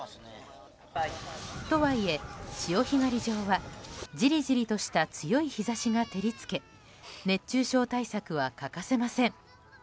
とはいえ、潮干狩り場はじりじりとした強い日差しが照り付け熱中症対策は欠かせません。